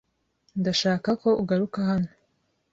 Ndashaka ko ugaruka hano.